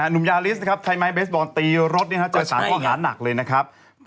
นุมยาริสนะครับทายไม้เบสบอลตีรถจาก๓ข้อหารหนักเลยนะครับ